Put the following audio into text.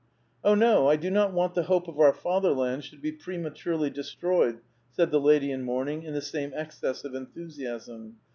" Oh, no, I do not want the hope of our fatherland should be prematurely destroyed," said the lady in mourning, in the same excess of enthusiasm.